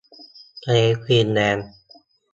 ทะเลกรีนแลนด์